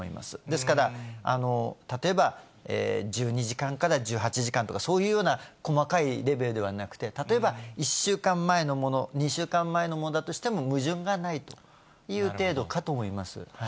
ですから、例えば１２時間から１８時間とか、そういうような細かいレベルではなくて、例えば１週間前のもの、２週間前のものだとしても、矛盾がないという程度かと思います。